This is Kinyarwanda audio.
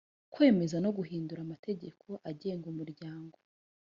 kwemeza no guhindura amategeko agenga umuryango